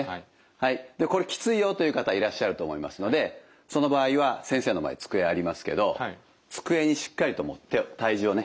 はいでこれきついよという方いらっしゃると思いますのでその場合は先生の前机ありますけど机にしっかりと体重をね